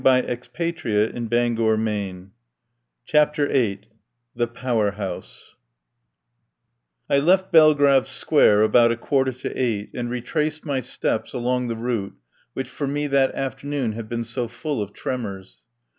86 CHAPTER VIII THE POWER HOUSE CHAPTER VIII THE POWER HOUSE I LEFT Belgrave Square about a quarter to eight and retraced my steps along the route which for me that afternoon had been so full of tremors.